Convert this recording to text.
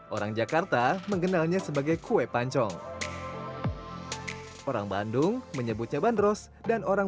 orang jakarta mengenalnya sebagai kue pancong orang bandung menyebutnya bandros dan orang